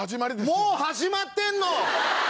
もう始まってんの！